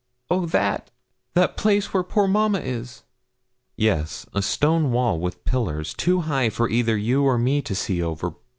'Oh, that that place where poor mamma is?' 'Yes, a stone wall with pillars, too high for either you or me to see over.